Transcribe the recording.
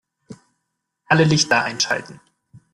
Alle Lichter einschalten